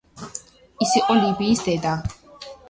ის იყო ლიბიის დედა.